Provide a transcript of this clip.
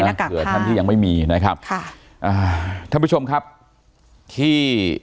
หน้ากากถ้าเจ๋อท่านที่ยังไม่มีนะครับค่ะท่านผู้ชมครับที่